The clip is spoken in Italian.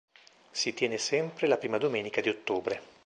Si tiene sempre la prima domenica di ottobre.